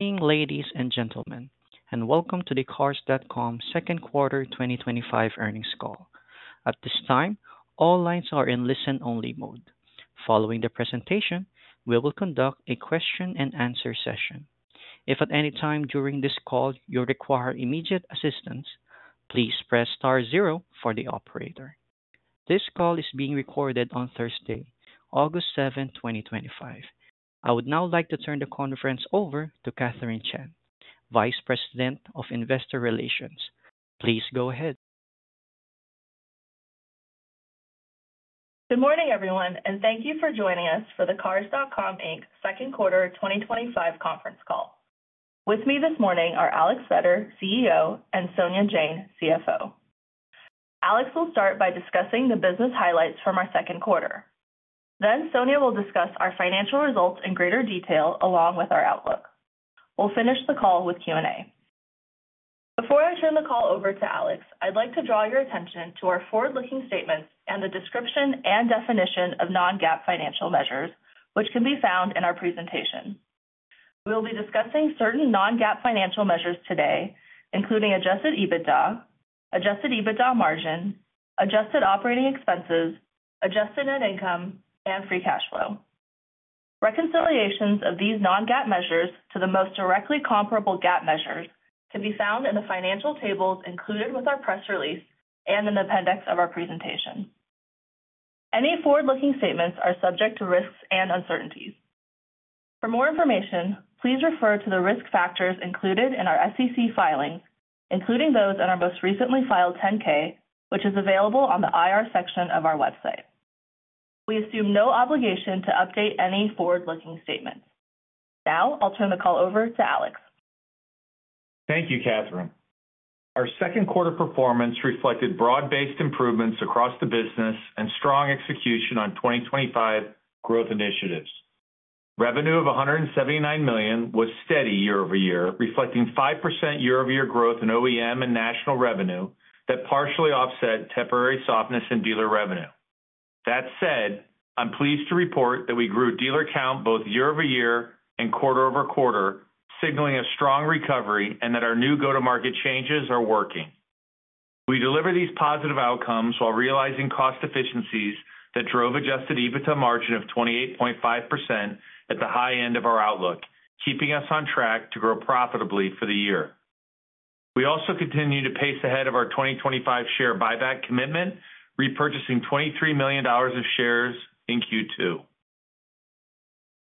Ladies and gentlemen, welcome to the Cars.com Second Quarter 2025 Earnings Call. At this time, all lines are in listen-only mode. Following the presentation, we will conduct a question-and-answer session. If at any time during this call you require immediate assistance, please press star zero for the operator. This call is being recorded on Thursday, August 7, 2025. I would now like to turn the conference over to Katherine Chen, Vice President of Investor Relations. Please go ahead. Good morning, everyone, and thank you for joining us for the Cars.com Inc. Second Quarter 2025 Conference Call. With me this morning are Alex Vetter, CEO, and Sonia Jain, CFO. Alex will start by discussing the business highlights from our second quarter. Sonia will discuss our financial results in greater detail along with our outlook. We'll finish the call with Q&A. Before I turn the call over to Alex, I'd like to draw your attention to our forward-looking statements and the description and definition of non-GAAP financial measures, which can be found in our presentation. We'll be discussing certain non-GAAP financial measures today, including adjusted EBITDA, adjusted EBITDA margin, adjusted operating expenses, adjusted net income, and free cash flow. Reconciliations of these non-GAAP measures to the most directly comparable GAAP measures can be found in the financial tables included with our press release and in the appendix of our presentation. Any forward-looking statements are subject to risks and uncertainties. For more information, please refer to the risk factors included in our SEC filing, including those in our most recently filed 10-K, which is available on the IR section of our website. We assume no obligation to update any forward-looking statements. Now, I'll turn the call over to Alex. Thank you, Katherine. Our second quarter performance reflected broad-based improvements across the business and strong execution on 2025 growth initiatives. Revenue of $179 million was steady year-over-year, reflecting 5% year-over-year growth in OEM and national revenue that partially offset temporary softness in dealer revenue. That said, I'm pleased to report that we grew dealer count both year-over-year and quarter-over-quarter, signaling a strong recovery and that our new go-to-market changes are working. We delivered these positive outcomes while realizing cost efficiencies that drove adjusted EBITDA margin of 28.5% at the high end of our outlook, keeping us on track to grow profitably for the year. We also continue to pace ahead of our 2025 share buyback commitment, repurchasing $23 million of shares in Q2.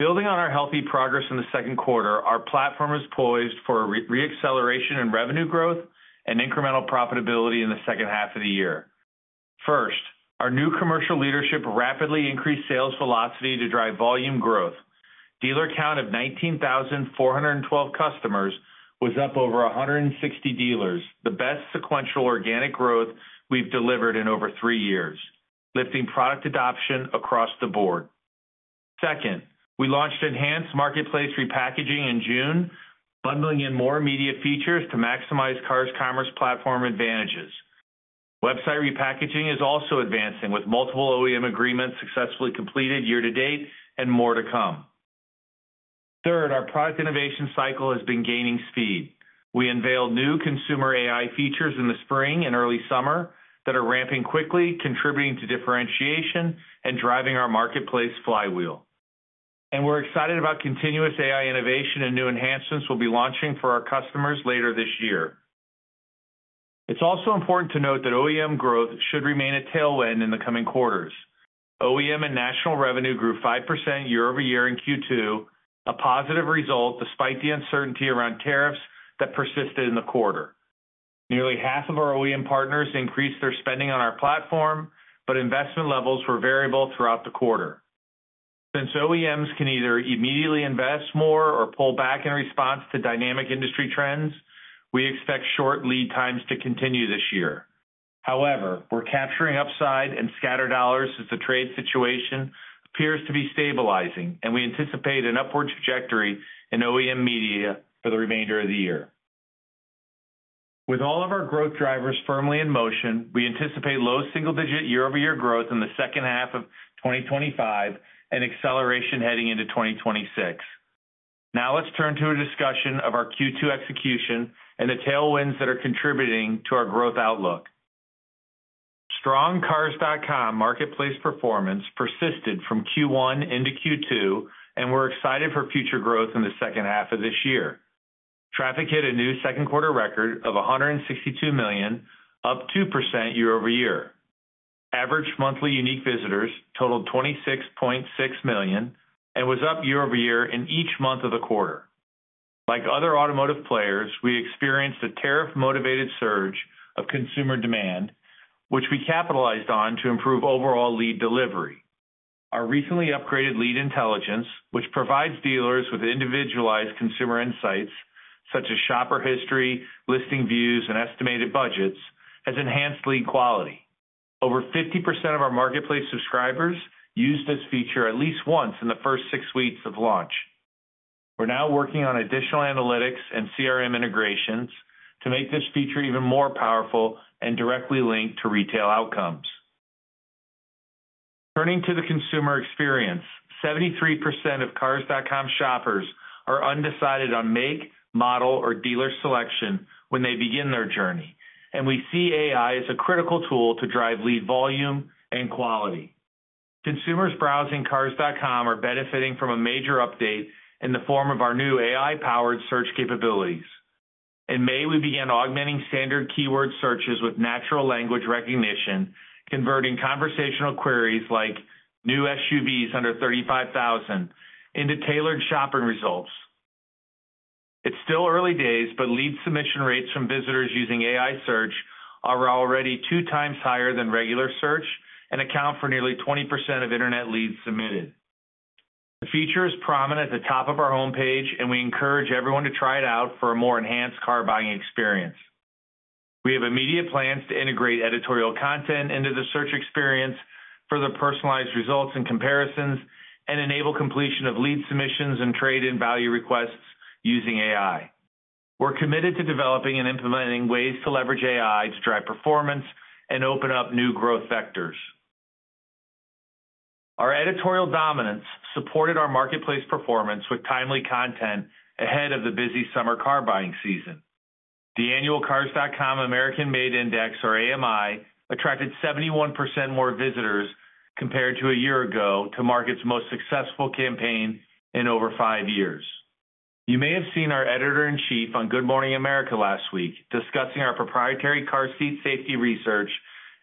Building on our healthy progress in the second quarter, our platform is poised for a re-acceleration in revenue growth and incremental profitability in the second half of the year. First, our new commercial leadership rapidly increased sales velocity to drive volume growth. Dealer count of 19,412 customers was up over 160 dealers, the best sequential organic growth we've delivered in over three years, lifting product adoption across the board. Second, we launched enhanced marketplace repackaging in June, bundling in more immediate features to maximize Cars Commerce platform advantages. Website repackaging is also advancing, with multiple OEM agreements successfully completed year to date and more to come. Third, our product innovation cycle has been gaining speed. We unveiled new consumer AI features in the spring and early summer that are ramping quickly, contributing to differentiation and driving our marketplace flywheel. We are excited about continuous AI innovation and new enhancements we'll be launching for our customers later this year. It's also important to note that OEM growth should remain a tailwind in the coming quarters. OEM and national revenue grew 5% year-over-year in Q2, a positive result despite the uncertainty around tariffs that persisted in the quarter. Nearly half of our OEM partners increased their spending on our platform, but investment levels were variable throughout the quarter. Since OEMs can either immediately invest more or pull back in response to dynamic industry trends, we expect short lead times to continue this year. However, we're capturing upside and scattered dollars as the trade situation appears to be stabilizing, and we anticipate an upward trajectory in OEM media for the remainder of the year. With all of our growth drivers firmly in motion, we anticipate low single-digit year-over-year growth in the second half of 2025 and acceleration heading into 2026. Now let's turn to a discussion of our Q2 execution and the tailwinds that are contributing to our growth outlook. Strong Cars.com marketplace performance persisted from Q1 into Q2, and we're excited for future growth in the second half of this year. Traffic hit a new second quarter record of 162 million, up 2% year-over-year. Average monthly unique visitors totaled 26.6 million and was up year-over-year in each month of the quarter. Like other automotive players, we experienced a tariff-motivated surge of consumer demand, which we capitalized on to improve overall lead delivery. Our recently upgraded lead intelligence, which provides dealers with individualized consumer insights such as shopper history, listing views, and estimated budgets, has enhanced lead quality. Over 50% of our marketplace subscribers used this feature at least once in the first six weeks of launch. We're now working on additional analytics and CRM integrations to make this feature even more powerful and directly linked to retail outcomes. Turning to the consumer experience, 73% of Cars.com shoppers are undecided on make, model, or dealer selection when they begin their journey, and we see AI as a critical tool to drive lead volume and quality. Consumers browsing Cars.com are benefiting from a major update in the form of our new AI-powered search capabilities. In May, we began augmenting standard keyword searches with natural language recognition, converting conversational queries like "new SUVs under $35,000" into tailored shopping results. It's still early days, but lead submission rates from visitors using AI search are already two times higher than regular search and account for nearly 20% of internet leads submitted. The feature is prominent at the top of our homepage, and we encourage everyone to try it out for a more enhanced car buying experience. We have immediate plans to integrate editorial content into the search experience for the personalized results and comparisons and enable completion of lead submissions and trade-in value requests using AI. We're committed to developing and implementing ways to leverage AI to drive performance and open up new growth sectors. Our editorial dominance supported our marketplace performance with timely content ahead of the busy summer car buying season. The annual Cars.com American-Made Index, or AMI, attracted 71% more visitors compared to a year ago to marketplace's most successful campaign in over five years. You may have seen our Editor-in-Chief on Good Morning America last week discussing our proprietary car seat safety research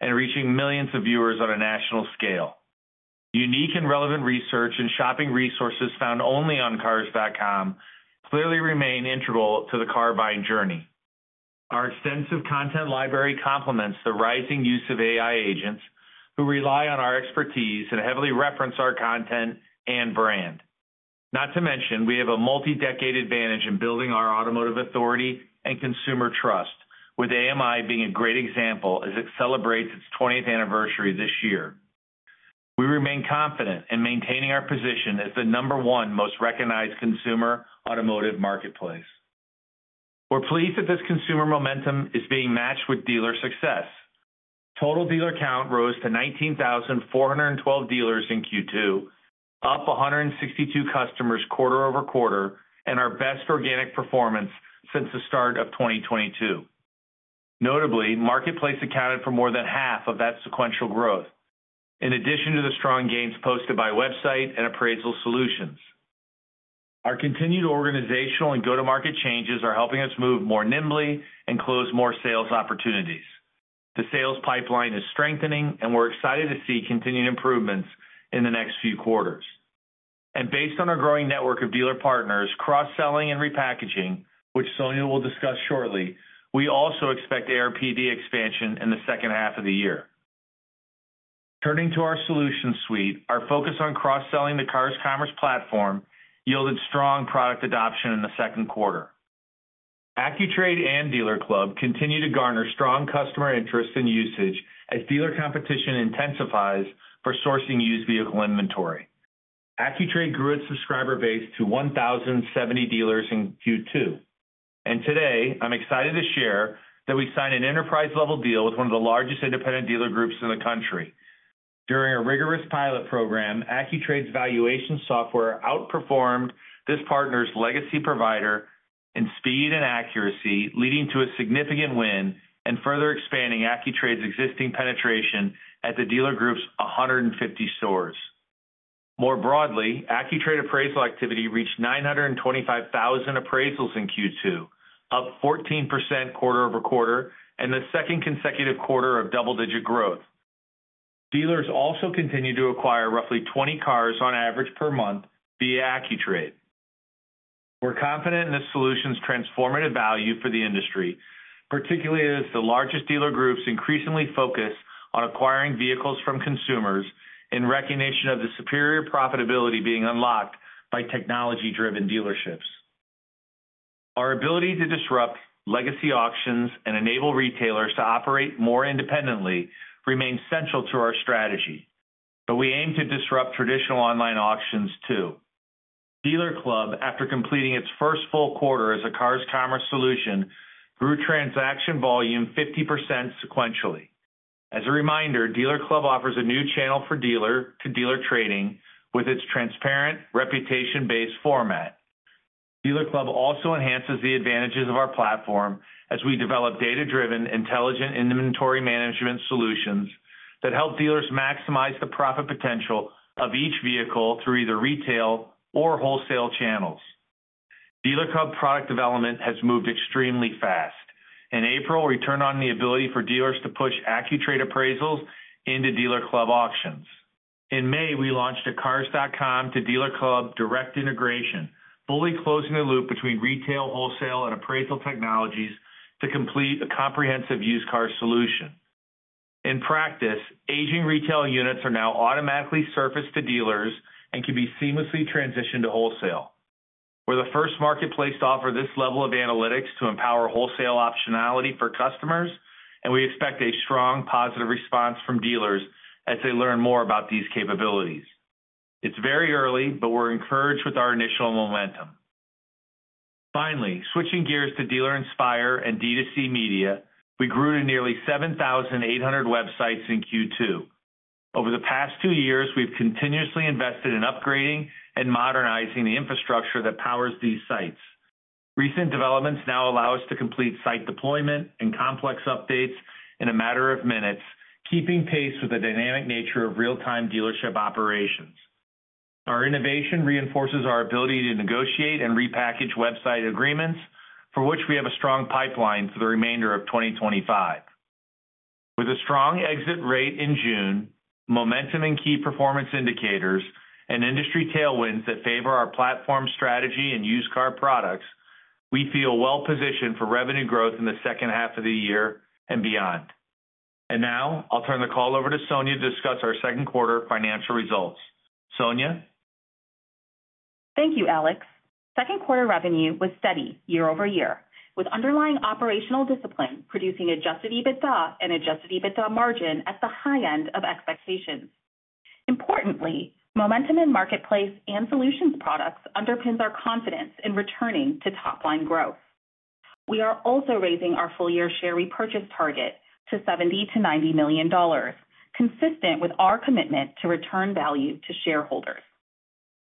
and reaching millions of viewers on a national scale. Unique and relevant research and shopping resources found only on Cars.com clearly remain integral to the car buying journey. Our extensive content library complements the rising use of AI agents who rely on our expertise and heavily reference our content and brand. Not to mention, we have a multi-decade advantage in building our automotive authority and consumer trust, with AMI being a great example as it celebrates its 20th anniversary this year. We remain confident in maintaining our position as the number one most recognized consumer automotive marketplace. We're pleased that this consumer momentum is being matched with dealer success. Total dealer count rose to 19,412 dealers in Q2, up 162 customers quarter-over-quarter, and our best organic performance since the start of 2022. Notably, marketplace accounted for more than half of that sequential growth, in addition to the strong gains posted by website and appraisal solutions. Our continued organizational and go-to-market changes are helping us move more nimbly and close more sales opportunities. The sales pipeline is strengthening, and we're excited to see continued improvements in the next few quarters. Based on our growing network of dealer partners, cross-selling, and repackaging, which Sonia will discuss shortly, we also expect ARPD expansion in the second half of the year. Turning to our solutions suite, our focus on cross-selling the Cars Commerce platform yielded strong product adoption in the second quarter. AccuTrade and DealerClub continue to garner strong customer interest and usage as dealer competition intensifies for sourcing used vehicle inventory. AccuTrade grew its subscriber base to 1,070 dealers in Q2. Today, I'm excited to share that we signed an enterprise-level deal with one of the largest independent dealer groups in the country. During a rigorous pilot program, AccuTrade's valuation software outperformed this partner's legacy provider in speed and accuracy, leading to a significant win and further expanding AccuTrade's existing penetration at the dealer group's 150 stores. More broadly, AccuTrade appraisal activity reached 925,000 appraisals in Q2, up 14% quarter-over-quarter in the second consecutive quarter of double-digit growth. Dealers also continue to acquire roughly 20 cars on average per month via AccuTrade. We're confident in the solution's transformative value for the industry, particularly as the largest dealer groups increasingly focus on acquiring vehicles from consumers in recognition of the superior profitability being unlocked by technology-driven dealerships. Our ability to disrupt legacy auctions and enable retailers to operate more independently remains central to our strategy. We aim to disrupt traditional online auctions too. DealerClub, after completing its first full quarter as a Cars.com solution, grew transaction volume 50% sequentially. As a reminder, DealerClub offers a new channel for dealer-to-dealer trading with its transparent, reputation-based format. DealerClub also enhances the advantages of our platform as we develop data-driven, intelligent inventory management solutions that help dealers maximize the profit potential of each vehicle through either retail or wholesale channels. DealerClub product development has moved extremely fast. In April, we turned on the ability for dealers to push AccuTrade appraisals into DealerClub auctions. In May, we launched a Cars.com to DealerClub direct integration, fully closing the loop between retail, wholesale, and appraisal technologies to complete a comprehensive used car solution. In practice, aging retail units are now automatically surfaced to dealers and can be seamlessly transitioned to wholesale. We're the first marketplace to offer this level of analytics to empower wholesale optionality for customers, and we expect a strong, positive response from dealers as they learn more about these capabilities. It's very early, but we're encouraged with our initial momentum. Finally, switching gears to Dealer Inspire and D2C media, we grew to nearly 7,800 websites in Q2. Over the past two years, we've continuously invested in upgrading and modernizing the infrastructure that powers these sites. Recent developments now allow us to complete site deployment and complex updates in a matter of minutes, keeping pace with the dynamic nature of real-time dealership operations. Our innovation reinforces our ability to negotiate and repackage website agreements, for which we have a strong pipeline for the remainder of 2025. With a strong exit rate in June, momentum in key performance indicators, and industry tailwinds that favor our platform strategy and used car products, we feel well-positioned for revenue growth in the second half of the year and beyond. I'll turn the call over to Sonia to discuss our second quarter financial results. Sonia? Thank you, Alex. Second quarter revenue was steady year-over-year, with underlying operational discipline producing adjusted EBITDA and adjusted EBITDA margin at the high end of expectations. Importantly, momentum in marketplace and solutions products underpins our confidence in returning to top-line growth. We are also raising our full-year share repurchase target to $70 million-$90 million, consistent with our commitment to return value to shareholders.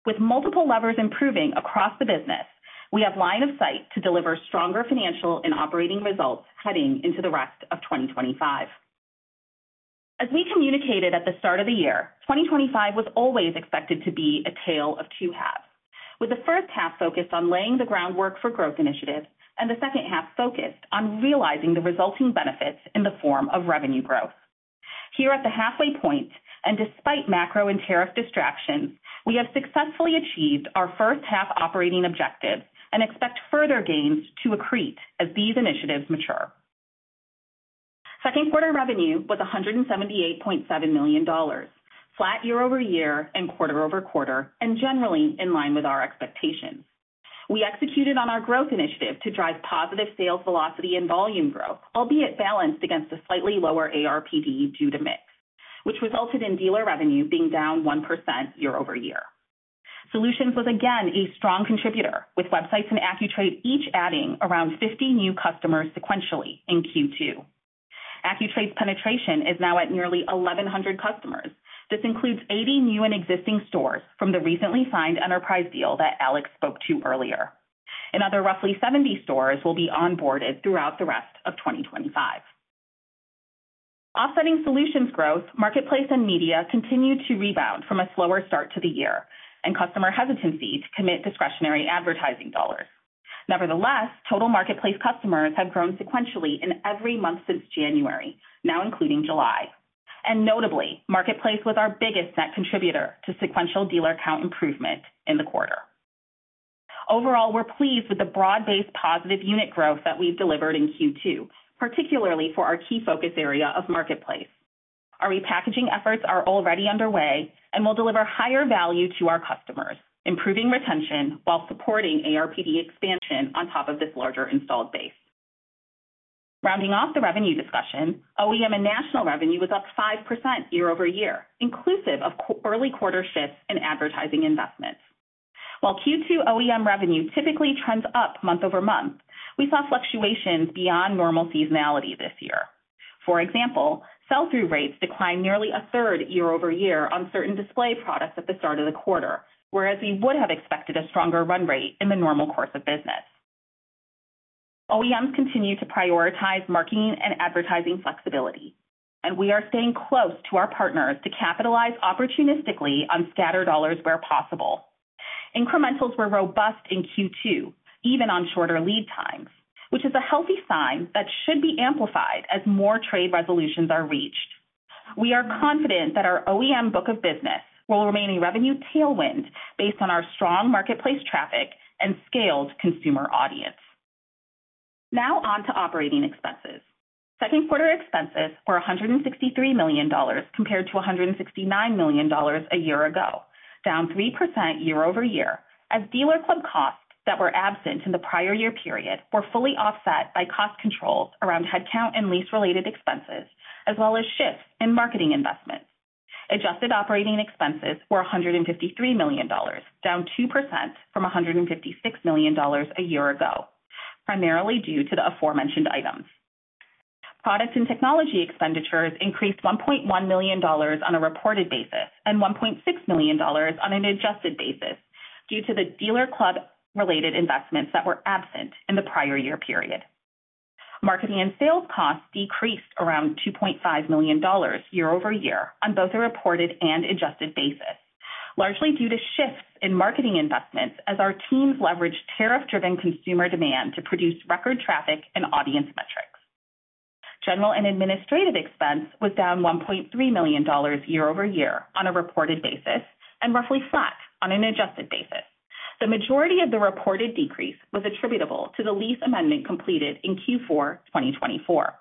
With multiple levers improving across the business, we have line of sight to deliver stronger financial and operating results heading into the rest of 2025. As we communicated at the start of the year, 2025 was always expected to be a tale of two halves, with the first half focused on laying the groundwork for growth initiatives and the second half focused on realizing the resulting benefits in the form of revenue growth. Here at the halfway point, and despite macro and tariff distractions, we have successfully achieved our first half operating objectives and expect further gains to accrete as these initiatives mature. Second quarter revenue was $178.7 million, flat year-over-year and quarter-over-quarter, and generally in line with our expectations. We executed on our growth initiative to drive positive sales velocity and volume growth, albeit balanced against a slightly lower ARPD due to MIT, which resulted in dealer revenue being down 1% year-over-year. Solutions was again a strong contributor, with websites and AccuTrade each adding around 50 new customers sequentially in Q2. AccuTrade's penetration is now at nearly 1,100 customers. This includes 80 new and existing stores from the recently signed enterprise deal that Alex spoke to earlier. Another roughly 70 stores will be onboarded throughout the rest of 2025. Offsetting Solutions growth, marketplace and media continue to rebound from a slower start to the year and customer hesitancy to commit discretionary advertising dollars. Nevertheless, total marketplace customers have grown sequentially in every month since January, now including July. Notably, marketplace was our biggest net contributor to sequential dealer count improvement in the quarter. Overall, we're pleased with the broad-based positive unit growth that we've delivered in Q2, particularly for our key focus area of marketplace. Our repackaging efforts are already underway and will deliver higher value to our customers, improving retention while supporting ARPD expansion on top of this larger installed base. Rounding off the revenue discussion, OEM and national revenue was up 5% year-over-year, inclusive of early quarter shifts in advertising investments. While Q2 OEM revenue typically trends up month over month, we saw fluctuations beyond normal seasonality this year. For example, sell-through rates declined nearly a third year-over-year on certain display products at the start of the quarter, whereas we would have expected a stronger run rate in the normal course of business. OEMs continue to prioritize marketing and advertising flexibility, and we are staying close to our partners to capitalize opportunistically on scattered dollars where possible. Incrementals were robust in Q2, even on shorter lead times, which is a healthy sign that should be amplified as more trade resolutions are reached. We are confident that our OEM book of business will remain a revenue tailwind based on our strong marketplace traffic and scaled consumer audience. Now on to operating expenses. Second quarter expenses were $163 million compared to $169 million a year ago, down 3% year-over-year as DealerClub costs that were absent in the prior year period were fully offset by cost controls around headcount and lease-related expenses, as well as shifts in marketing investment. Adjusted operating expenses were $153 million, down 2% from $156 million a year ago, primarily due to the aforementioned items. Product and technology expenditures increased $1.1 million on a reported basis and $1.6 million on an adjusted basis due to the DealerClub-related investments that were absent in the prior year period. Marketing and sales costs decreased around $2.5 million year-over-year on both a reported and adjusted basis, largely due to shifts in marketing investments as our teams leveraged tariff-driven consumer demand to produce record traffic and audience metrics. General and administrative expense was down $1.3 million year-over-year on a reported basis and roughly flat on an adjusted basis. The majority of the reported decrease was attributable to the lease amendment completed in Q4 2024.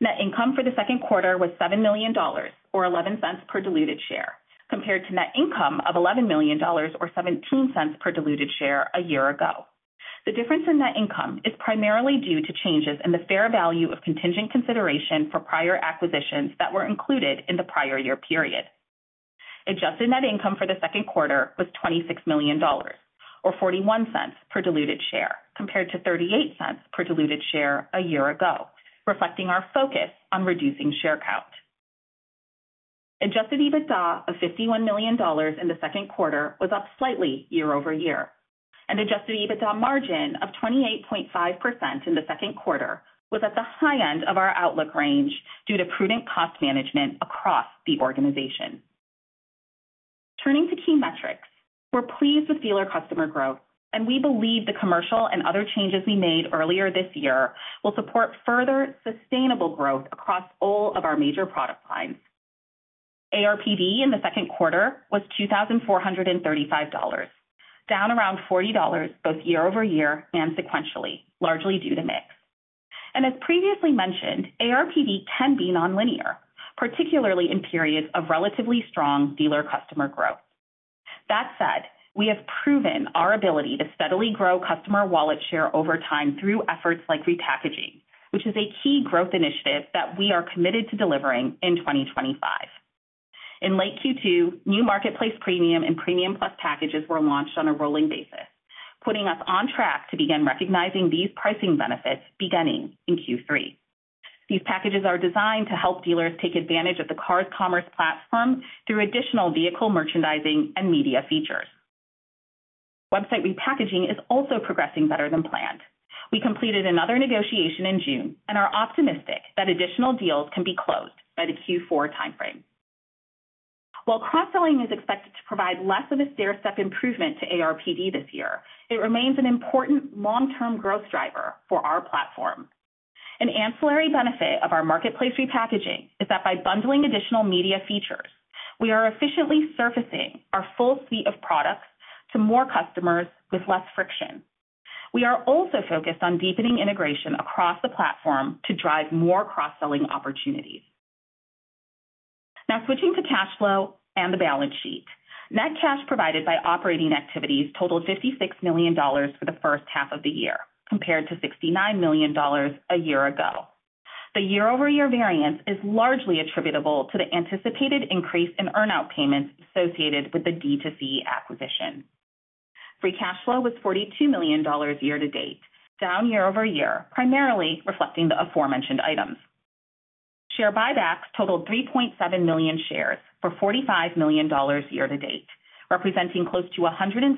Net income for the second quarter was $7 million or $0.11 per diluted share, compared to net income of $11 million or $0.17 per diluted share a year ago. The difference in net income is primarily due to changes in the fair value of contingent consideration for prior acquisitions that were included in the prior year period. Adjusted net income for the second quarter was $26 million or $0.41 per diluted share, compared to $0.38 per diluted share a year ago, reflecting our focus on reducing share count. Adjusted EBITDA of $51 million in the second quarter was up slightly year-over-year, and adjusted EBITDA margin of 28.5% in the second quarter was at the high end of our outlook range due to prudent cost management across the organization. Turning to key metrics, we're pleased with dealer customer growth, and we believe the commercial and other changes we made earlier this year will support further sustainable growth across all of our major product lines. ARPD in the second quarter was $2,435, down around $40 both year-over year-and sequentially, largely due to MIT. As previously mentioned, ARPD can be nonlinear, particularly in periods of relatively strong dealer customer growth. That said, we have proven our ability to steadily grow customer wallet share over time through efforts like repackaging, which is a key growth initiative that we are committed to delivering in 2025. In late Q2, new marketplace premium and premium plus packages were launched on a rolling basis, putting us on track to begin recognizing these pricing benefits beginning in Q3. These packages are designed to help dealers take advantage of the Cars Commerce platform through additional vehicle merchandising and media features. Website repackaging is also progressing better than planned. We completed another negotiation in June and are optimistic that additional deals can be closed by the Q4 timeframe. While cross-selling is expected to provide less of a stair-step improvement to ARPD this year, it remains an important long-term growth driver for our platform. An ancillary benefit of our marketplace repackaging is that by bundling additional media features, we are efficiently surfacing our full suite of products to more customers with less friction. We are also focused on deepening integration across the platform to drive more cross-selling opportunities. Now switching to cash flow and the balance sheet. Net cash provided by operating activities totaled $56 million for the first half of the year, compared to $69 million a year ago. The year-over-year variance is largely attributable to the anticipated increase in earnout payments associated with the D2C acquisition. Free cash flow was $42 million year to date, down year-over-year, primarily reflecting the aforementioned items. Share buybacks totaled 3.7 million shares for $45 million year to date, representing close to 107%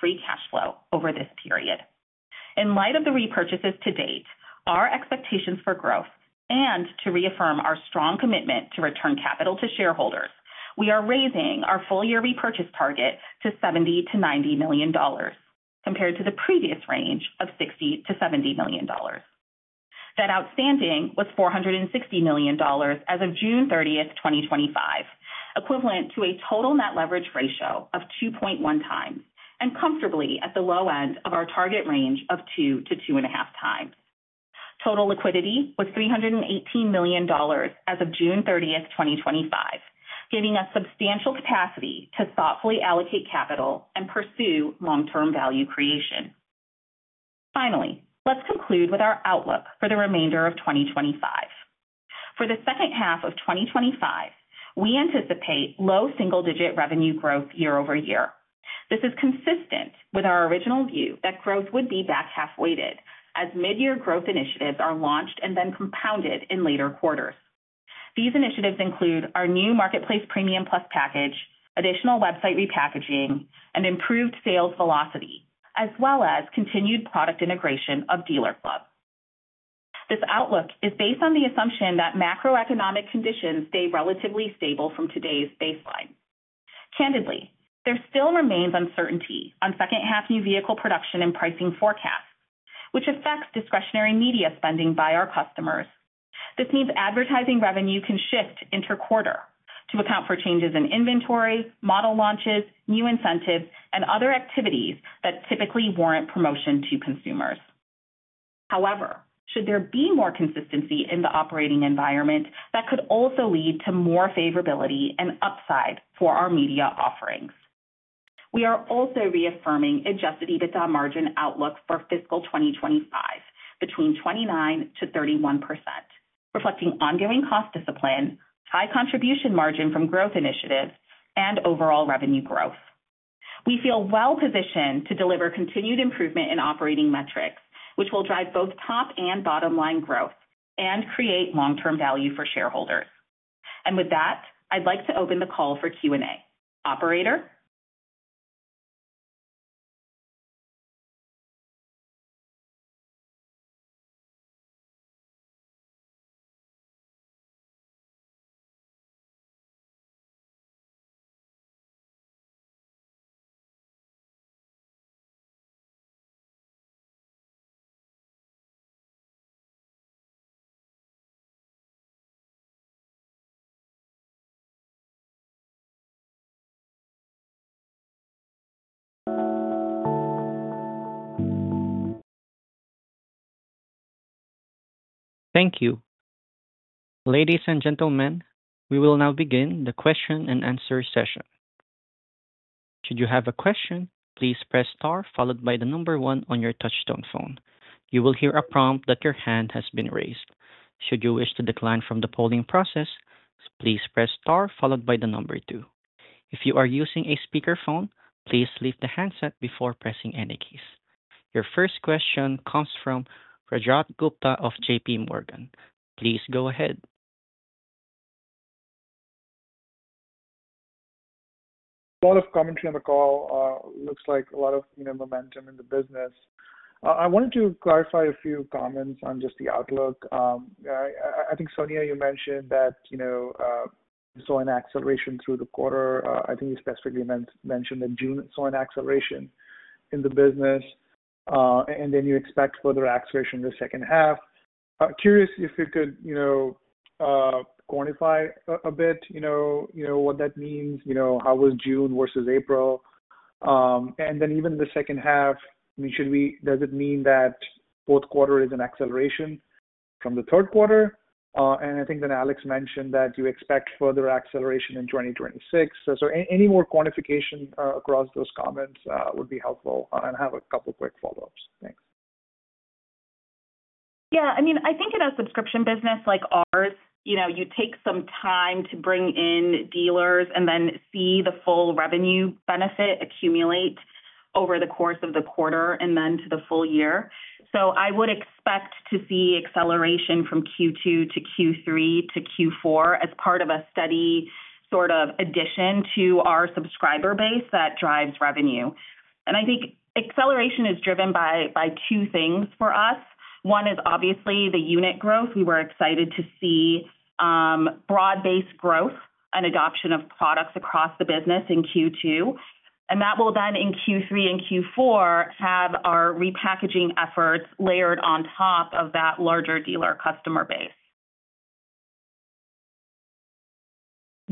free cash flow over this period. In light of the repurchases to date, our expectations for growth, and to reaffirm our strong commitment to return capital to shareholders, we are raising our full-year repurchase target to $70 million-$90 million, compared to the previous range of $60 million-$70 million. Net outstanding was $460 million as of June 30th, 2025, equivalent to a total net leverage ratio of 2.x and comfortably at the low end of our target range of 2x-2.5x. Total liquidity was $318 million as of June 30th, 2025, giving us substantial capacity to thoughtfully allocate capital and pursue long-term value creation. Finally, let's conclude with our outlook for the remainder of 2025. For the second half of 2025, we anticipate low single-digit revenue growth year-over-year. This is consistent with our original view that growth would be back half-weighted as mid-year growth initiatives are launched and then compounded in later quarters. These initiatives include our new marketplace premium plus package, additional website repackaging, and improved sales velocity, as well as continued product integration of DealerClub. This outlook is based on the assumption that macroeconomic conditions stay relatively stable from today's baseline. Candidly, there still remains uncertainty on second-half new vehicle production and pricing forecasts, which affects discretionary media spending by our customers. This means advertising revenue can shift interquarter to account for changes in inventories, model launches, new incentives, and other activities that typically warrant promotion to consumers. However, should there be more consistency in the operating environment, that could also lead to more favorability and upside for our media offerings. We are also reaffirming adjusted EBITDA margin outlook for fiscal 2025 between 29%-31%, reflecting ongoing cost discipline, high contribution margin from growth initiatives, and overall revenue growth. We feel well-positioned to deliver continued improvement in operating metrics, which will drive both top and bottom line growth and create long-term value for shareholders. With that, I'd like to open the call for Q&A. Operator? Thank you. Ladies and gentlemen, we will now begin the question and answer session. Should you have a question, please press star followed by the number one on your touch-tone phone. You will hear a prompt that your hand has been raised. Should you wish to decline from the polling process, please press star followed by the number two. If you are using a speakerphone, please lift the handset before pressing any keys. Your first question comes from Rajat Gupta of JPMorgan. Please go ahead. A lot of commentary on the call. Looks like a lot of momentum in the business. I wanted to clarify a few comments on just the outlook. I think, Sonia, you mentioned that you saw an acceleration through the quarter. I think you specifically mentioned that June saw an acceleration in the business, and then you expect further acceleration in the second half. Curious if you could quantify a bit what that means. How was June versus April? Even the second half, I mean, should we, does it mean that both quarters is an acceleration from the third quarter? I think then Alex mentioned that you expect further acceleration in 2026. Any more quantification across those comments would be helpful. I have a couple of quick follow-ups. Thanks. Yeah, I mean, I think in a subscription business like ours, you know, you take some time to bring in dealers and then see the full revenue benefit accumulate over the course of the quarter and then to the full year. I would expect to see acceleration from Q2 to Q3 to Q4 as part of a steady sort of addition to our subscriber base that drives revenue. I think acceleration is driven by two things for us. One is obviously the unit growth. We were excited to see broad-based growth and adoption of products across the business in Q2. That will then in Q3 and Q4 have our repackaging efforts layered on top of that larger dealer customer base.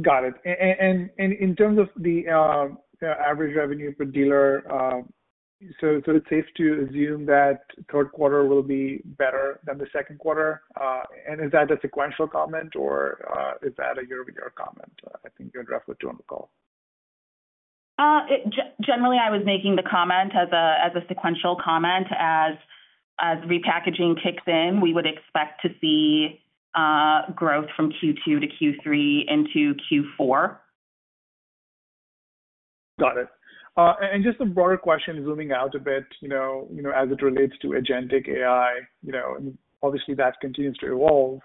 Got it. In terms of the average revenue per dealer, is it safe to assume that third quarter will be better than the second quarter? Is that a sequential comment or is that a year-over-year comment? I think you had referenced it on the call. Generally, I was making the comment as a sequential comment. As website repackaging kicked in, we would expect to see growth from Q2 to Q3 into Q4. Got it. Just a broader question zooming out a bit, as it relates to agentic AI, and obviously that continues to evolve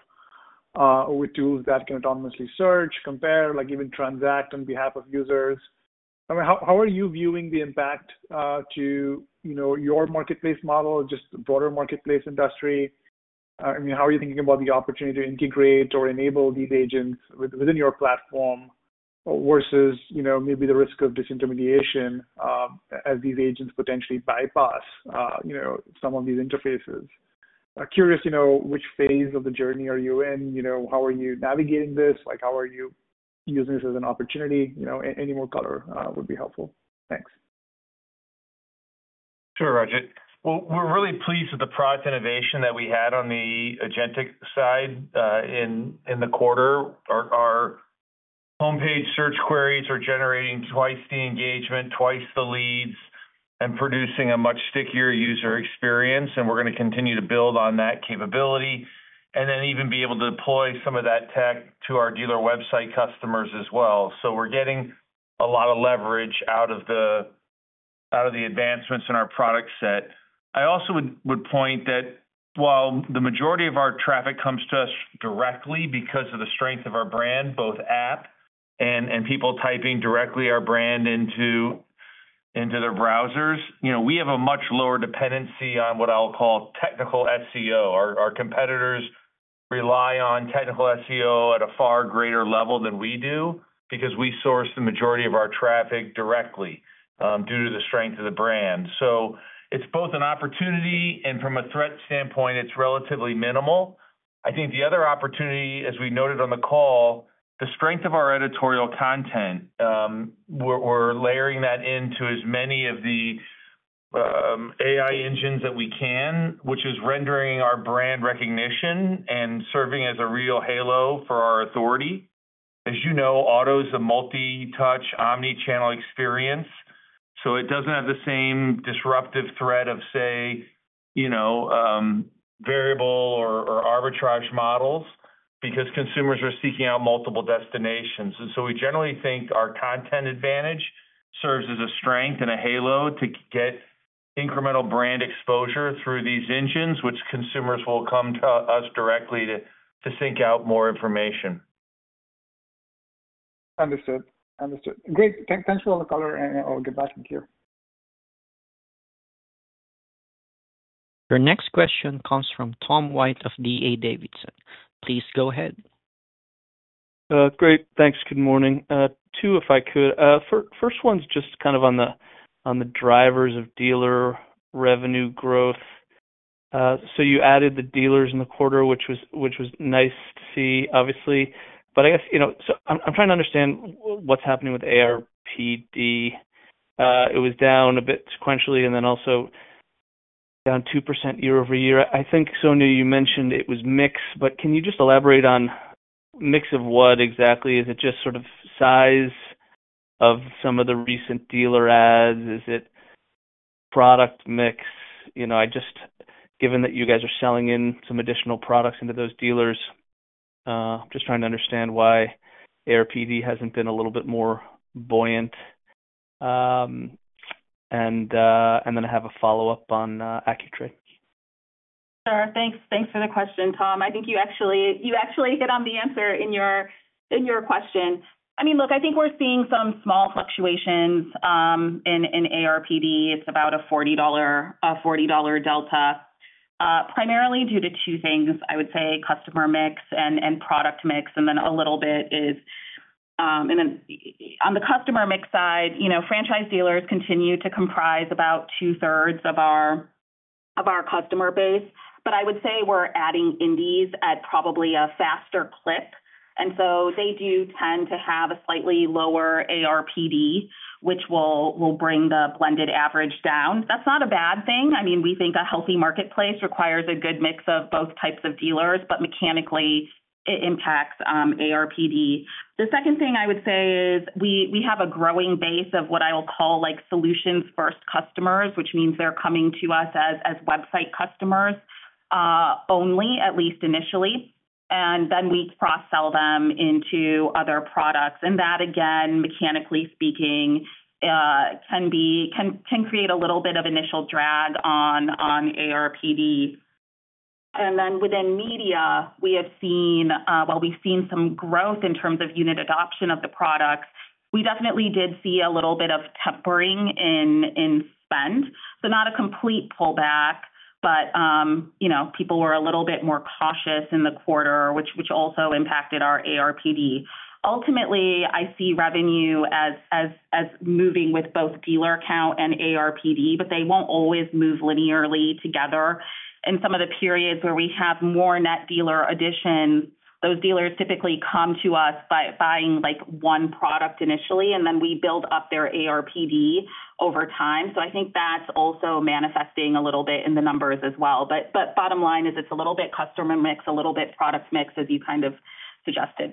with tools that can autonomously search, compare, even transact on behalf of users. How are you viewing the impact to your marketplace model, just the broader marketplace industry? How are you thinking about the opportunity to integrate or enable these agents within your platform versus maybe the risk of disintermediation as these agents potentially bypass some of these interfaces? Curious which phase of the journey you are in. How are you navigating this? How are you using this as an opportunity? Any more color would be helpful. Thanks. Sure, Rajat. We are really pleased with the product innovation that we had on the agentic side in the quarter. Our homepage search queries are generating twice the engagement, twice the leads, and producing a much stickier user experience. We are going to continue to build on that capability and then even be able to deploy some of that tech to our dealer website customers as well. We are getting a lot of leverage out of the advancements in our product set. I also would point out that while the majority of our traffic comes to us directly because of the strength of our brand, both app and people typing directly our brand into their browsers, we have a much lower dependency on what I'll call technical SEO. Our competitors rely on technical SEO at a far greater level than we do because we source the majority of our traffic directly due to the strength of the brand. It is both an opportunity and from a threat standpoint, it is relatively minimal. I think the other opportunity, as we noted on the call, is the strength of our editorial content. We are layering that into as many of the AI engines that we can, which is rendering our brand recognition and serving as a real halo for our authority. As you know, auto is a multi-touch omni-channel experience. It does not have the same disruptive threat of, say, variable or arbitrage models because consumers are seeking out multiple destinations. We generally think our content advantage serves as a strength and a halo to get incremental brand exposure through these engines, which consumers will come to us directly to seek out more information. Understood. Thanks for all the color and all the good message here. Your next question comes from Tom White of D.A. Davidson. Please go ahead. Great. Thanks. Good morning. Two, if I could. First one's just kind of on the drivers of dealer revenue growth. You added the dealers in the quarter, which was nice to see, obviously. I guess, you know, I'm trying to understand what's happening with ARPD. It was down a bit sequentially and also down 2% year-over-year. I think, Sonia, you mentioned it was mixed, but can you just elaborate on a mix of what exactly? Is it just sort of size of some of the recent dealer ads? Is it product mix? I just, given that you guys are selling in some additional products into those dealers, I'm just trying to understand why ARPD hasn't been a little bit more buoyant. I have a follow-up on AccuTrade. Sure. Thanks. Thanks for the question, Tom. I think you actually hit on the answer in your question. I mean, look, I think we're seeing some small fluctuations in ARPD. It's about a $40 delta, primarily due to two things. I would say customer mix and product mix, and then a little bit is, and then on the customer mix side, you know, franchise dealers continue to comprise about 2/3 of our customer base. I would say we're adding indies at probably a faster clip. They do tend to have a slightly lower ARPD, which will bring the blended average down. That's not a bad thing. We think a healthy marketplace requires a good mix of both types of dealers, but mechanically, it impacts ARPD. The second thing I would say is we have a growing base of what I will call like solutions-first customers, which means they're coming to us as website customers only, at least initially. We cross-sell them into other products. That, again, mechanically speaking, can create a little bit of initial drag on ARPD. Within media, we have seen some growth in terms of unit adoption of the products. We definitely did see a little bit of tempering in spend, not a complete pullback. People were a little bit more cautious in the quarter, which also impacted our ARPD. Ultimately, I see revenue as moving with both dealer count and ARPD, but they won't always move linearly together. In some of the periods where we have more net dealer additions, those dealers typically come to us by buying like one product initially, and then we build up their ARPD over time. I think that's also manifesting a little bit in the numbers as well. Bottom line is it's a little bit customer mix, a little bit product mix, as you kind of suggested.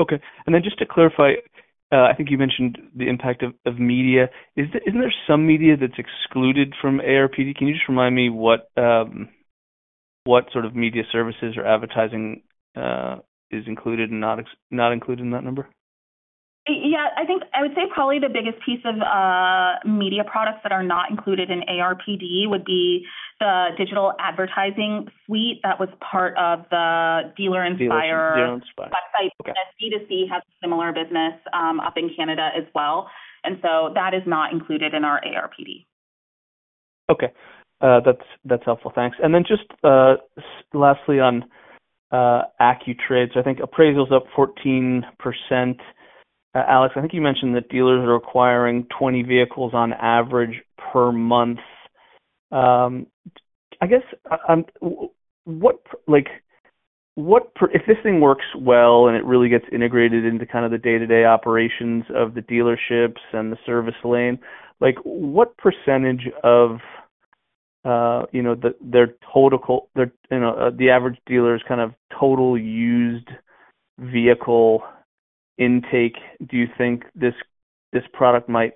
Okay. Just to clarify, I think you mentioned the impact of media. Isn't there some media that's excluded from ARPD? Can you just remind me what sort of media services or advertising is included and not included in that number? I think I would say probably the biggest piece of media products that are not included in ARPD would be the digital advertising suite that was part of the Dealer Inspire website. B2C has a similar business up in Canada as well. That is not included in our ARPD. Okay. That's helpful. Thanks. Lastly, on AccuTrade, I think appraisal is up 14%. Alex, I think you mentioned that dealers are acquiring 20 vehicles on average per month. If this thing works well and it really gets integrated into the day-to-day operations of the dealerships and the service lane, what percentage of their total, the average dealer's total used vehicle intake, do you think this product might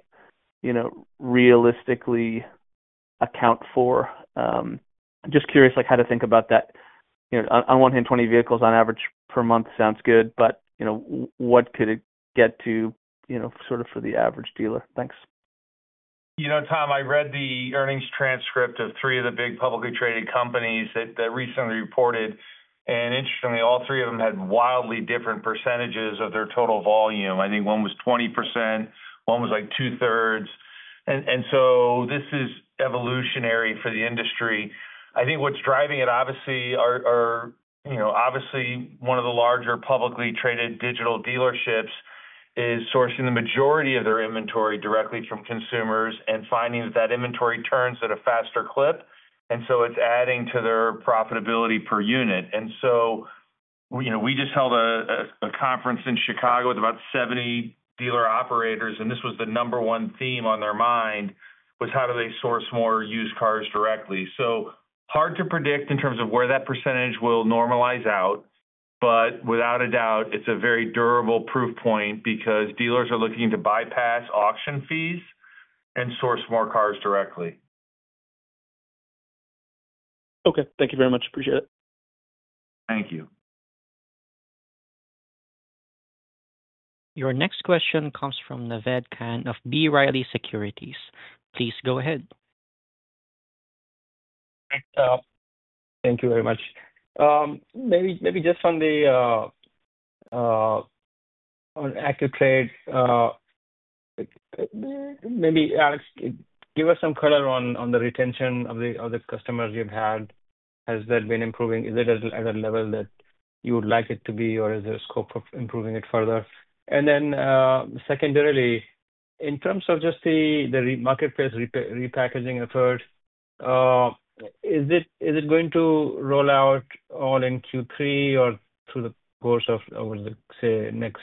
realistically account for? I'm just curious how to think about that. On one hand, 20 vehicles on average per month sounds good, but what could it get to for the average dealer? Thanks. You know, Tom, I read the earnings transcript of three of the big publicly traded companies that recently reported. Interestingly, all three of them had wildly different percentages of their total volume. I think one was 20%, one was like 2/3. This is evolutionary for the industry. I think what's driving it, obviously, are, you know, one of the larger publicly traded digital dealerships is sourcing the majority of their inventory directly from consumers and finding that inventory turns at a faster clip. It's adding to their profitability per unit. We just held a conference in Chicago with about 70 dealer operators, and this was the number one theme on their mind, how do they source more used cars directly? Hard to predict in terms of where that percentage will normalize out, but without a doubt, it's a very durable proof point because dealers are looking to bypass auction fees and source more cars directly. Okay, thank you very much. Appreciate it. Thank you. Your next question comes from Naved Khan of B. Riley Securities. Please go ahead. Thank you very much. Maybe just on AccuTrade, maybe Alex, give us some color on the retention of the customers you've had. Has that been improving? Is it at a level that you would like it to be, or is there a scope of improving it further? In terms of just the marketplace repackaging effort, is it going to roll out all in Q3 or through the course of, I would say, the next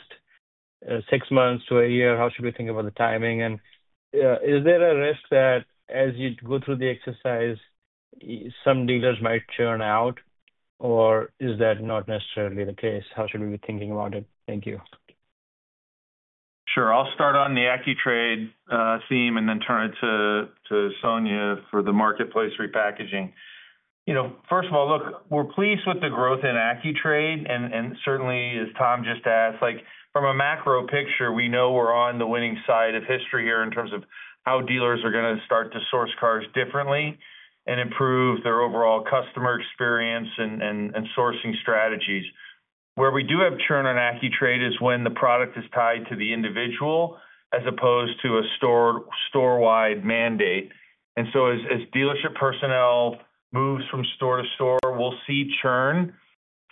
six months to a year? How should we think about the timing? Is there a risk that as you go through the exercise, some dealers might churn out, or is that not necessarily the case? How should we be thinking about it? Thank you. Sure. I'll start on the AccuTrade theme and then turn it to Sonia for the marketplace repackaging. First of all, look, we're pleased with the growth in AccuTrade. Certainly, as Tom just asked, from a macro picture, we know we're on the winning side of history here in terms of how dealers are going to start to source cars differently and improve their overall customer experience and sourcing strategies. Where we do have churn on AccuTrade is when the product is tied to the individual as opposed to a store-wide mandate. As dealership personnel moves from store to store, we'll see churn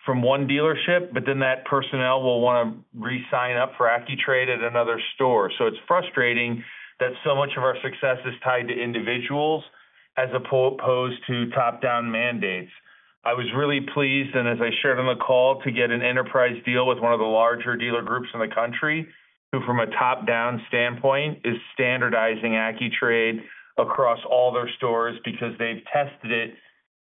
from one dealership, but then that personnel will want to re-sign up for AccuTrade at another store. It's frustrating that so much of our success is tied to individuals as opposed to top-down mandates. I was really pleased, and as I shared on the call, to get an enterprise deal with one of the larger dealer groups in the country, who from a top-down standpoint is standardizing AccuTrade across all their stores because they've tested it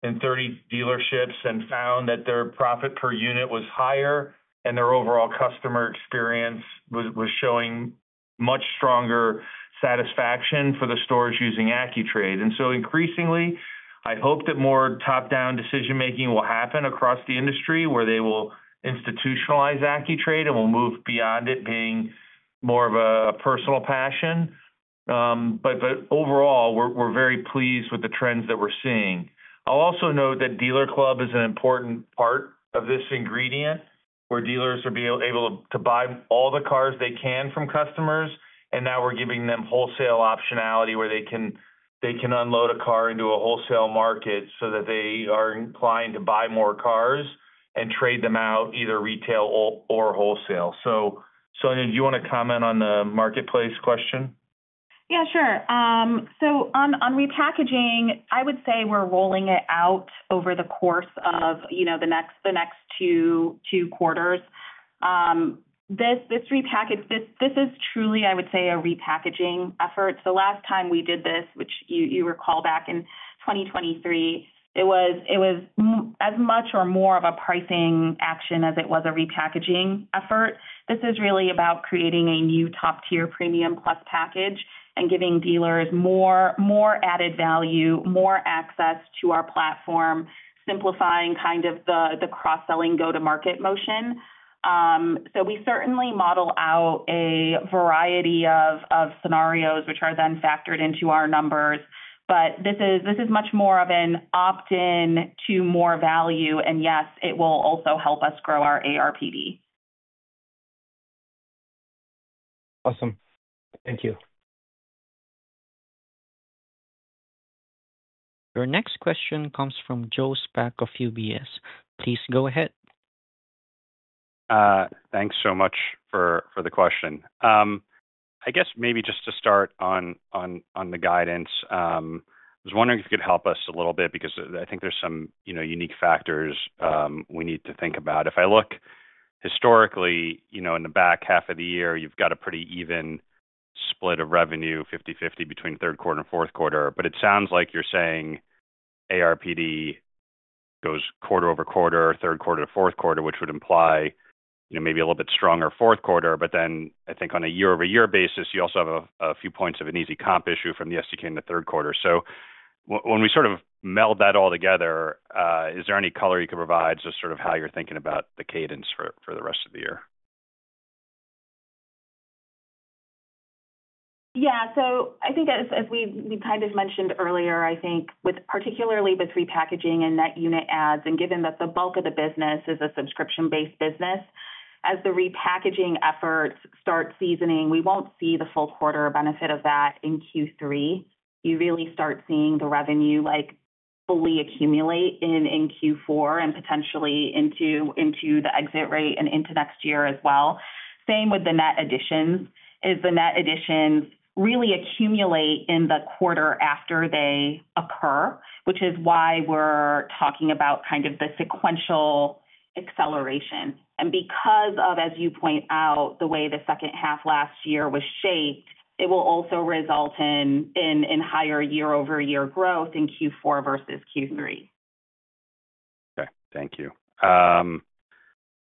in 30 dealerships and found that their profit per unit was higher and their overall customer experience was showing much stronger satisfaction for the stores using AccuTrade. Increasingly, I hope that more top-down decision-making will happen across the industry where they will institutionalize AccuTrade and will move beyond it being more of a personal passion. Overall, we're very pleased with the trends that we're seeing. I'll also note that DealerClub is an important part of this ingredient where dealers will be able to buy all the cars they can from customers, and now we're giving them wholesale optionality where they can unload a car into a wholesale market so that they are inclined to buy more cars and trade them out either retail or wholesale. Sonia, do you want to comment on the marketplace question? Yeah, sure. On repackaging, I would say we're rolling it out over the course of the next two quarters. This repackage, this is truly, I would say, a repackaging effort. Last time we did this, which you recall back in 2023, it was as much or more of a pricing action as it was a repackaging effort. This is really about creating a new top-tier premium plus package and giving dealers more added value, more access to our platform, simplifying kind of the cross-selling go-to-market motion. We certainly model out a variety of scenarios, which are then factored into our numbers. This is much more of an opt-in to more value. Yes, it will also help us grow our ARPD. Awesome. Thank you. Your next question comes from Joe Spak of UBS. Please go ahead. Thanks so much for the question. I guess maybe just to start on the guidance, I was wondering if you could help us a little bit because I think there's some unique factors we need to think about. If I look historically, in the back half of the year, you've got a pretty even split of revenue, 50/50 between third quarter and fourth quarter. It sounds like you're saying ARPD goes quarter over quarter, third quarter to fourth quarter, which would imply maybe a little bit stronger fourth quarter. I think on a year-over-year basis, you also have a few points of an easy comp issue from the SDK in the third quarter. When we sort of meld that all together, is there any color you could provide on how you're thinking about the cadence for the rest of the year? I think as we kind of mentioned earlier, with particularly this website repackaging and net unit ads, and given that the bulk of the business is a subscription-based business, as the repackaging efforts start seasoning, we won't see the full quarter benefit of that in Q3. You really start seeing the revenue fully accumulate in Q4 and potentially into the exit rate and into next year as well. Same with the net additions. The net additions really accumulate in the quarter after they occur, which is why we're talking about the sequential acceleration. Because of, as you point out, the way the second half last year was shaped, it will also result in higher year-over-year growth in Q4 versus Q3. Thank you.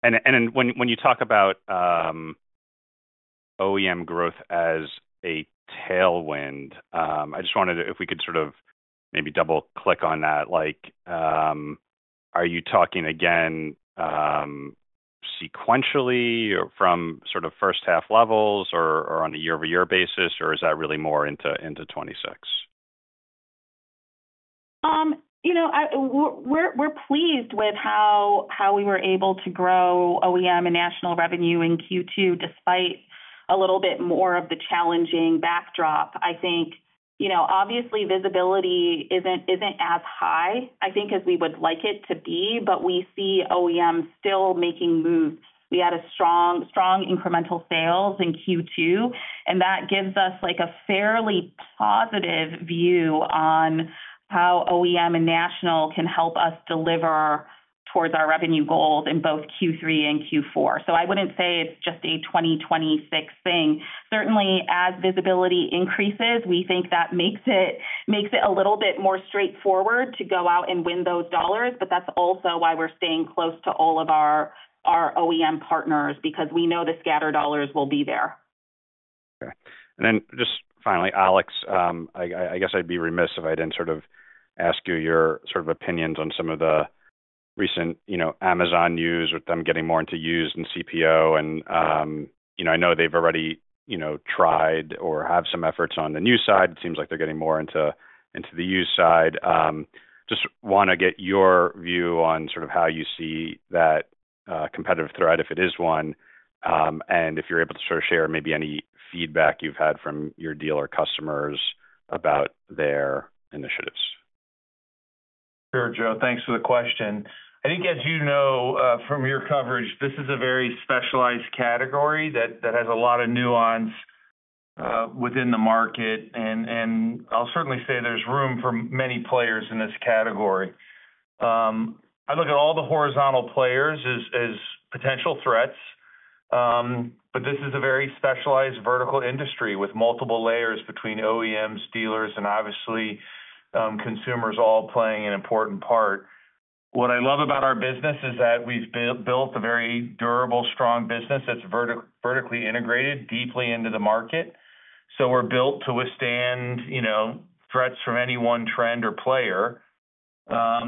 When you talk about OEM growth as a tailwind, I just wanted to, if we could maybe double-click on that, are you talking again sequentially or from first-half levels or on a year-over-year basis, or is that really more into 2026? We're pleased with how we were able to grow OEM and national revenue in Q2 despite a little bit more of the challenging backdrop. Obviously, visibility isn't as high as we would like it to be, but we see OEM still making moves. We had strong incremental sales in Q2, and that gives us a fairly positive view on how OEM and national can help us deliver towards our revenue goals in both Q3 and Q4. I wouldn't say it's just a 2026 thing. Certainly, as visibility increases, we think that makes it a little bit more straightforward to go out and win those dollars. That's also why we're staying close to all of our OEM partners because we know the scattered dollars will be there. Okay. Finally, Alex, I guess I'd be remiss if I didn't sort of ask you your sort of opinions on some of the recent Amazon news with them getting more into used and CPO. I know they've already, you know, tried or have some efforts on the new side. It seems like they're getting more into the used side. Just want to get your view on sort of how you see that competitive threat if it is one, and if you're able to sort of share maybe any feedback you've had from your dealer customers about their initiatives. Sure, Joe, thanks for the question. I think, as you know from your coverage, this is a very specialized category that has a lot of nuance within the market. I'll certainly say there's room for many players in this category. I look at all the horizontal players as potential threats, but this is a very specialized vertical industry with multiple layers between OEMs, dealers, and obviously consumers all playing an important part. What I love about our business is that we've built a very durable, strong business that's vertically integrated deeply into the market. We're built to withstand threats from any one trend or player. I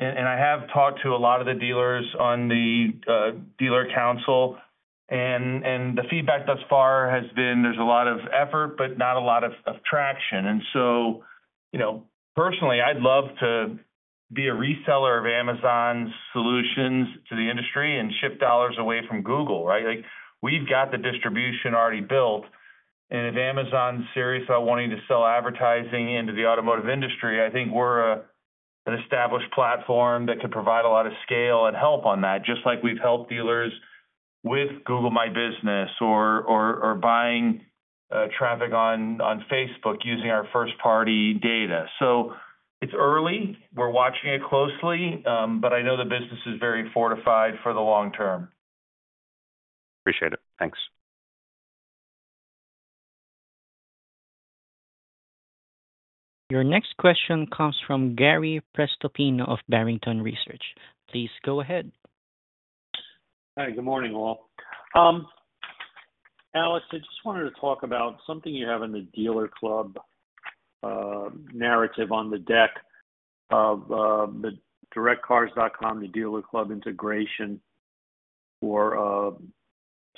have talked to a lot of the dealers on the dealer council, and the feedback thus far has been there's a lot of effort, but not a lot of traction. Personally, I'd love to be a reseller of Amazon's solutions to the industry and ship dollars away from Google, right? We've got the distribution already built. If Amazon's serious about wanting to sell advertising into the automotive industry, I think we're an established platform that could provide a lot of scale and help on that, just like we've helped dealers with Google My Business or buying traffic on Facebook using our first-party data. It's early. We're watching it closely, but I know the business is very fortified for the long term. Appreciate it. Thanks. Your next question comes from Gary Prestopino of Barrington Research. Please go ahead. Hi, good morning all. Alex, I just wanted to talk about something you have in the DealerClub narrative on the deck of the [DirectCars.com] to DealerClub integration for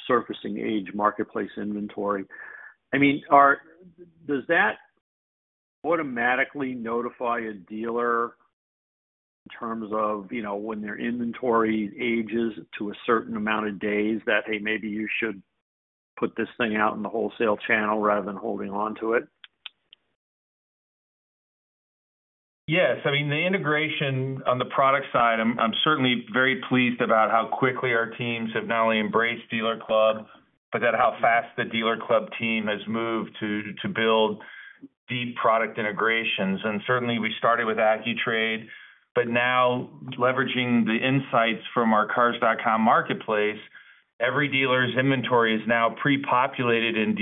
surfacing age marketplace inventory. Does that automatically notify a dealer in terms of, you know, when their inventory ages to a certain amount of days that, hey, maybe you should put this thing out in the wholesale channel rather than holding on to it? Yes, I mean, the integration on the product side, I'm certainly very pleased about how quickly our teams have not only embraced DealerClub, but that how fast the DealerClub team has moved to build deep product integrations. We started with AccuTrade, but now leveraging the insights from our Cars.com marketplace, every dealer's inventory is now pre-populated in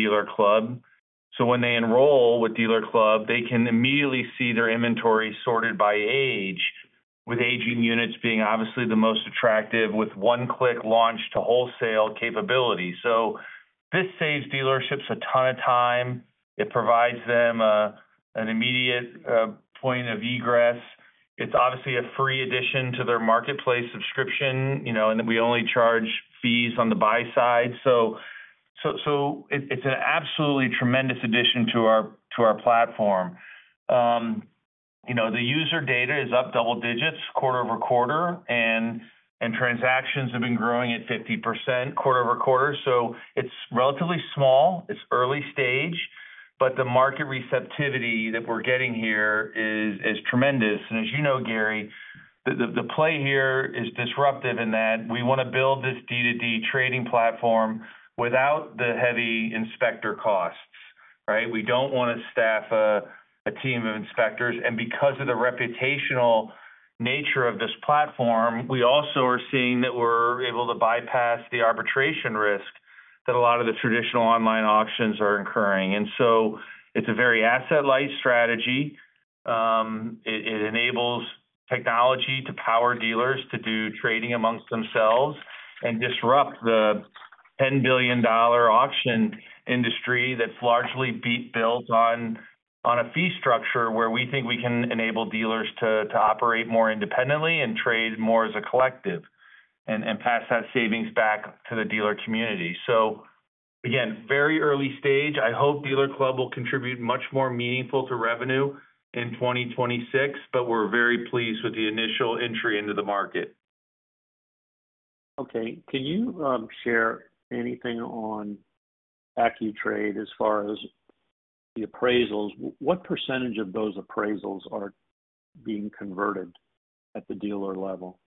DealerClub. When they enroll with DealerClub, they can immediately see their inventory sorted by age, with aging units being obviously the most attractive with one-click launch to wholesale capability. This saves dealerships a ton of time. It provides them an immediate point of egress. It's obviously a free addition to their marketplace subscription, and we only charge fees on the buy side. It's an absolutely tremendous addition to our platform. The user data is up double digits quarter over quarter, and transactions have been growing at 50% quarter over quarter. It's relatively small. It's early stage, but the market receptivity that we're getting here is tremendous. As you know, Gary, the play here is disruptive in that we want to build this D2D trading platform without the heavy inspector costs, right? We don't want to staff a team of inspectors. Because of the reputational nature of this platform, we also are seeing that we're able to bypass the arbitration risk that a lot of the traditional online auctions are incurring. It's a very asset-light strategy. It enables technology to power dealers to do trading amongst themselves and disrupt the $10 billion auction industry that's largely built on a fee structure where we think we can enable dealers to operate more independently and trade more as a collective and pass that savings back to the dealer community. Again, very early stage. I hope DealerClub will contribute much more meaningful to revenue in 2026, but we're very pleased with the initial entry into the market. Okay. Can you share anything on AccuTrade as far as the appraisals? What percentage of those appraisals are being converted at the dealer level?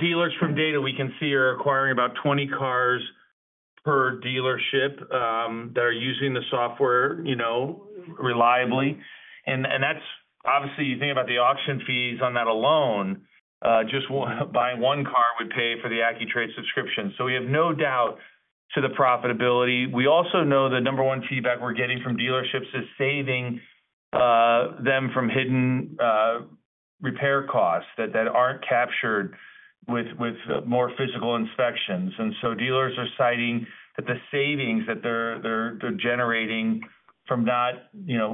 Dealers from data we can see are acquiring about 20 cars per dealership. They're using the software reliably. Obviously, you think about the auction fees on that alone, just buying one car would pay for the AccuTrade subscription. We have no doubt to the profitability. We also know the number one feedback we're getting from dealerships is saving them from hidden repair costs that aren't captured with more physical inspections. Dealers are citing that the savings that they're generating from not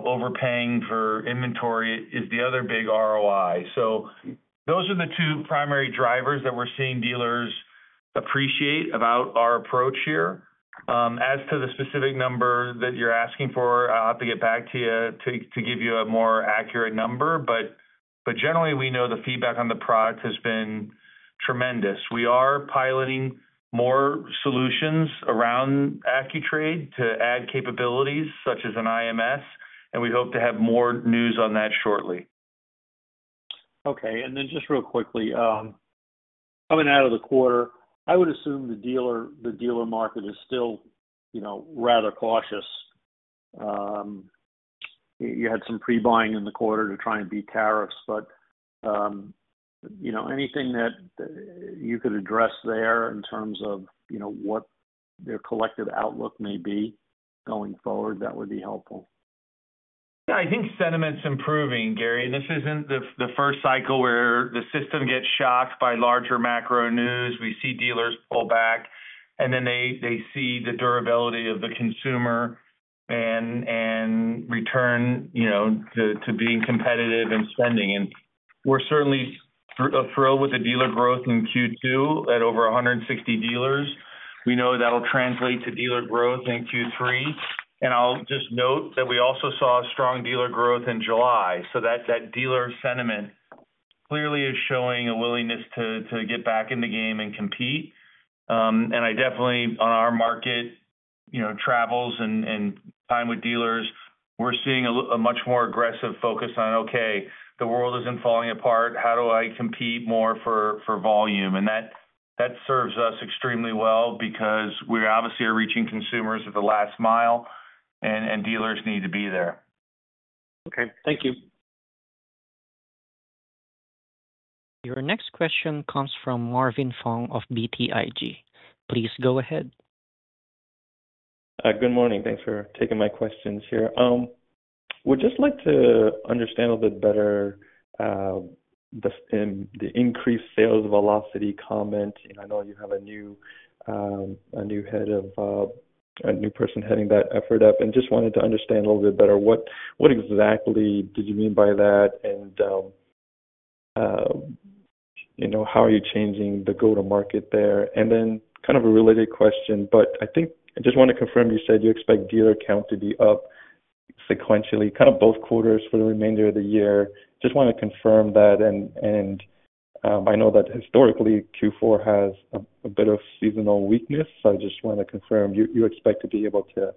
overpaying for inventory is the other big ROI. Those are the two primary drivers that we're seeing dealers appreciate about our approach here. As to the specific number that you're asking for, I'll have to get back to you to give you a more accurate number. Generally, we know the feedback on the product has been tremendous. We are piloting more solutions around AccuTrade to add capabilities such as an IMS, and we hope to have more news on that shortly. Okay. Just real quickly, coming out of the quarter, I would assume the dealer market is still, you know, rather cautious. You had some pre-buying in the quarter to try and beat tariffs, but anything that you could address there in terms of what their collective outlook may be going forward, that would be helpful. Yeah, I think sentiment's improving, Gary. This isn't the first cycle where the system gets shocked by larger macro news. We see dealers pull back, and then they see the durability of the consumer and return to being competitive in spending. We're certainly thrilled with the dealer growth in Q2 at over 160 dealers. We know that'll translate to dealer growth in Q3. I'll just note that we also saw strong dealer growth in July. That dealer sentiment clearly is showing a willingness to get back in the game and compete. On our market travels and time with dealers, we're seeing a much more aggressive focus on, okay, the world isn't falling apart. How do I compete more for volume? That serves us extremely well because we obviously are reaching consumers at the last mile, and dealers need to be there. Okay, thank you. Your next question comes from Marvin Fong of BTIG. Please go ahead. Good morning. Thanks for taking my questions here. We'd just like to understand a little bit better the increased sales velocity comment. I know you have a new person heading that effort up. I just wanted to understand a little bit better what exactly did you mean by that and, you know, how are you changing the go-to-market there? A related question, I think I just want to confirm you said you expect dealer count to be up sequentially, both quarters for the remainder of the year. Just want to confirm that. I know that historically Q4 has a bit of seasonal weakness. I just want to confirm you expect to be able to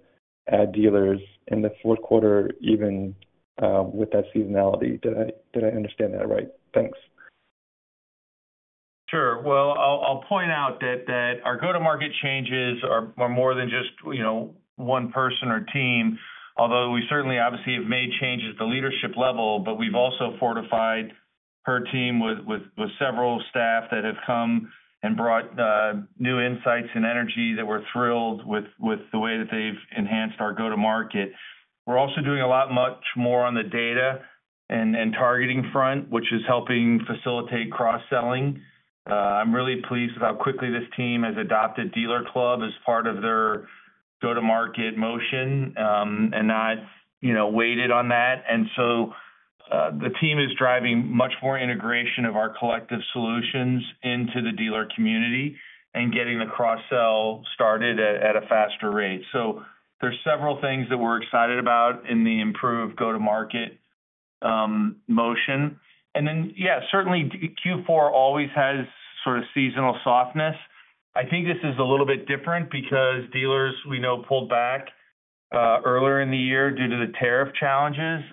add dealers in the fourth quarter, even with that seasonality. Did I understand that right? Thanks. I'll point out that our go-to-market changes are more than just, you know, one person or team, although we certainly obviously have made changes at the leadership level, but we've also fortified her team with several staff that have come and brought new insights and energy that we're thrilled with the way that they've enhanced our go-to-market. We're also doing a lot, much more on the data and targeting front, which is helping facilitate cross-selling. I'm really pleased with how quickly this team has adopted DealerClub as part of their go-to-market motion and not, you know, waited on that. The team is driving much more integration of our collective solutions into the dealer community and getting the cross-sell started at a faster rate. There are several things that we're excited about in the improved go-to-market motion. Q4 always has sort of seasonal softness. I think this is a little bit different because dealers we know pulled back earlier in the year due to the tariff challenges.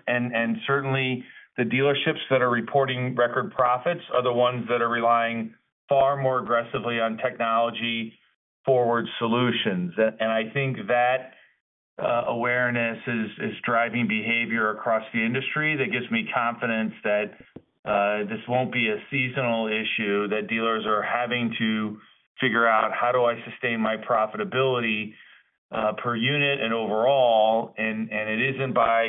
Certainly, the dealerships that are reporting record profits are the ones that are relying far more aggressively on technology-forward solutions. I think that awareness is driving behavior across the industry that gives me confidence that this won't be a seasonal issue that dealers are having to figure out how do I sustain my profitability per unit and overall. It isn't by,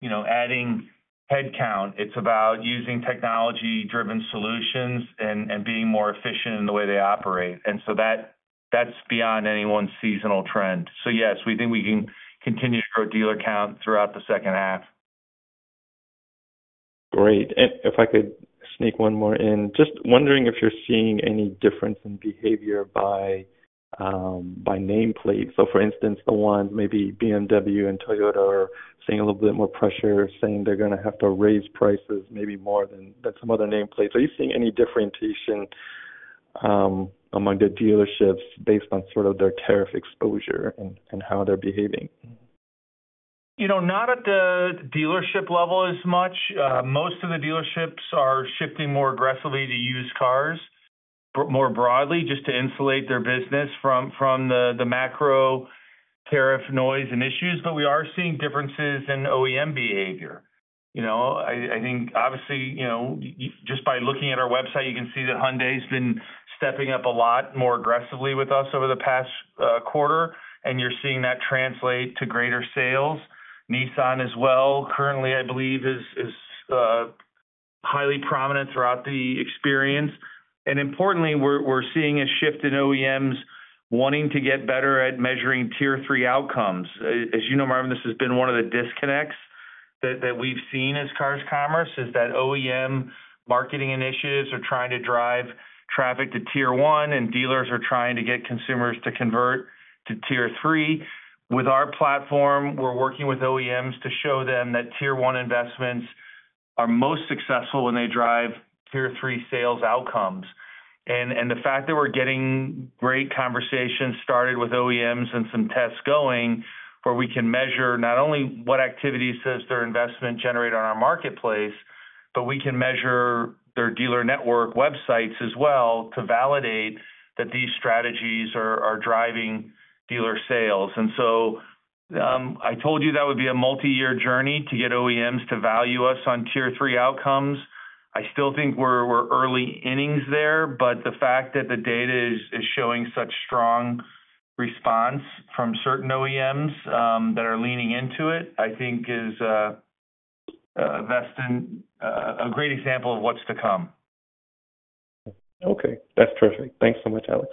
you know, adding headcount. It's about using technology-driven solutions and being more efficient in the way they operate. That's beyond anyone's seasonal trend. Yes, we think we can continue to grow dealer count throughout the second half. Great. If I could sneak one more in, just wondering if you're seeing any difference in behavior by nameplates. For instance, maybe BMW and Toyota are seeing a little bit more pressure, saying they're going to have to raise prices maybe more than some other nameplates. Are you seeing any differentiation among the dealerships based on their tariff exposure and how they're behaving? Not at the dealership level as much. Most of the dealerships are shifting more aggressively to used cars more broadly just to insulate their business from the macro tariff noise and issues. We are seeing differences in OEM behavior. Obviously, just by looking at our website, you can see that Hyundai's been stepping up a lot more aggressively with us over the past quarter. You're seeing that translate to greater sales. Nissan as well, currently, I believe, is highly prominent throughout the experience. Importantly, we're seeing a shift in OEMs wanting to get better at measuring tier-three outcomes. As you know, Marvin, this has been one of the disconnects that we've seen as Cars.com is that OEM marketing initiatives are trying to drive traffic to tier one, and dealers are trying to get consumers to convert to tier three. With our platform, we're working with OEMs to show them that tier-one investments are most successful when they drive tier-three sales outcomes. The fact that we're getting great conversations started with OEMs and some tests going where we can measure not only what activities their investment generates on our marketplace, but we can measure their dealer network websites as well to validate that these strategies are driving dealer sales. I told you that would be a multi-year journey to get OEMs to value us on tier-three outcomes. I still think we're early innings there, but the fact that the data is showing such strong response from certain OEMs that are leaning into it, I think is a great example of what's to come. Okay. That's terrific. Thanks so much, Alex.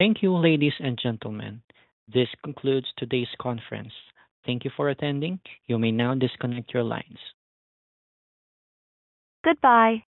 Thank you, ladies and gentlemen. This concludes today's conference. Thank you for attending. You may now disconnect your lines. Goodbye.